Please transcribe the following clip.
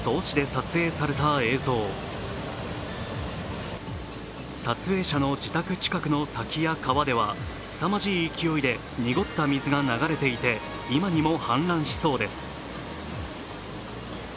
撮影者の自宅近くの滝や川ではすさまじい勢いで濁った水が流れていて、今にも氾濫しそうです。